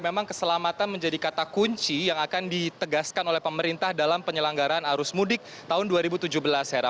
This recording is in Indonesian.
memang keselamatan menjadi kata kunci yang akan ditegaskan oleh pemerintah dalam penyelenggaran arus mudik tahun dua ribu tujuh belas hera